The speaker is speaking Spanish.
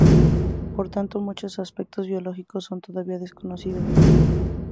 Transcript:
Por tanto muchos aspectos biológicos son todavía desconocidos.